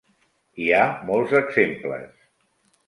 Hi ha molts exemples.